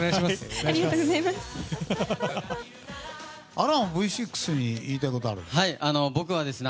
亜嵐はＶ６に言いたいことがあるんですか？